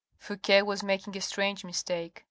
Fouque was making a strange mistake.